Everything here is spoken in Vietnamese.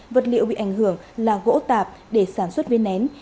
vật liệu bị ảnh hưởng là gỗ tạp để sản xuất viên nén